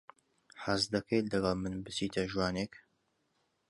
حەز دەکەیت لەگەڵ من بچیتە ژوانێک؟